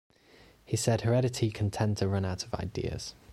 He said, Heredity can tend to run out of ideas.